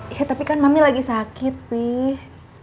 ya tapi kan mami lagi sakit peh